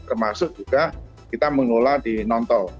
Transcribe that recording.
termasuk juga kita mengelola di non tol